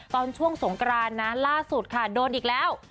ตอนช่วงสงกรานนะล่าสุดค่ะโดนอีกแล้ว